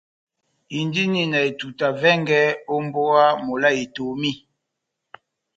Indini na etuta vɛngɛ ó mbówa mola Etomi.